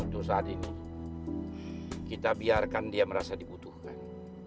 untuk saat ini kita biarkan dia merasa dibutuhkan